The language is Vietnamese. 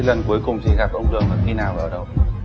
thế lần cuối cùng thì gặp ông lương là khi nào và ở đâu